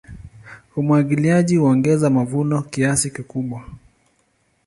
Umwagiliaji huongeza mavuno kiasi kikubwa.